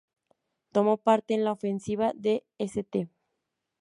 Tomó parte en la ofensiva de St.